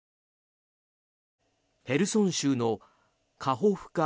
ヘルソン州のカホフカ